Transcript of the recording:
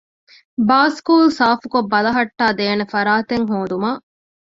ބާސްކޫލް ސާފްކޮށް ބަލަހައްޓައިދޭނެ ފަރާތެއް ހޯދުމަށް